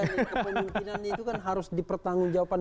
pemimpinan itu kan harus dipertanggung jawaban